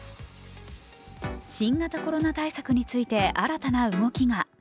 新型コロナ対策について新たな動きが。